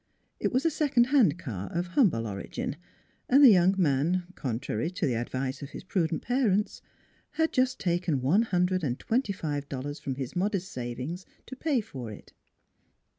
It was a second hand car of humble origin, and the young man, contrary to the advice of his prudent par ents, had just taken one hundred and twenty five dollars from his modest savings to pay for it.